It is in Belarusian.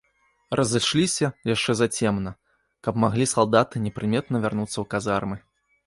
Разышліся яшчэ зацемна, каб маглі салдаты непрыметна вярнуцца ў казармы.